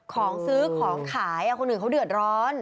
ของซื้อของขายคนอื่นเขาเดือดร้อน